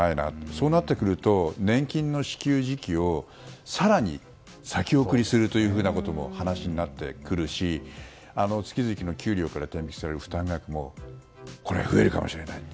そうなってくると年金の支給時期を更に先送りするという話になってくるし次々の給料から天引きされる負担額も増えるかもしれないと。